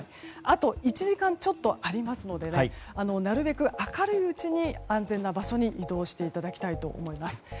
あと１時間ちょっとありますのでなるべく明るいうちに安全な場所に移動していただきたいと思います。